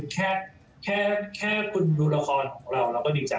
แค่คุณดูละครของเราเราก็ดีใจ